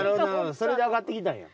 それで上がってきたんや。